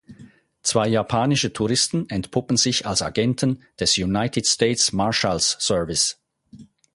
Zwei japanische Touristen entpuppen sich als Agenten des United States Marshals Service.